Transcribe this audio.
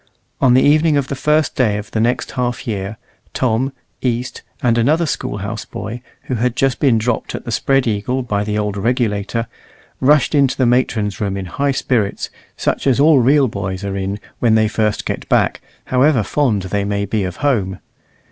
On the evening of the first day of the next half year, Tom, East, and another School house boy, who had just been dropped at the Spread Eagle by the old Regulator, rushed into the matron's room in high spirits, such as all real boys are in when they first get back, however fond they may be of home.